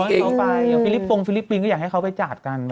อย่างฟิลิปปรงฟิลิปปินก็อยากให้เขาไปจัดกัน